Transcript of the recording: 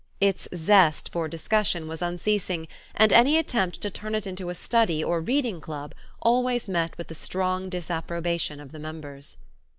Its zest for discussion was unceasing, and any attempt to turn it into a study or reading club always met with the strong disapprobation of the members.